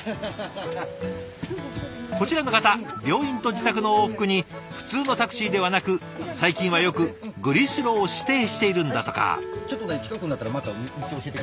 こちらの方病院と自宅の往復に普通のタクシーではなく最近はよくグリスロを指定しているんだとか。